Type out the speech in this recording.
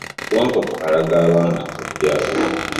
Wankoko alaga abaana kojjaabwe.